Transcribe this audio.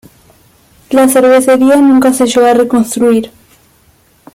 La cervecería nunca se llegó a reconstruir.